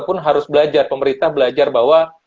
pun harus belajar pemerintah belajar bahwa